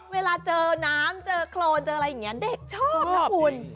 เวลาเจอน้ำเจอโครนเจออะไรอย่างนี้เด็กชอบนะคุณ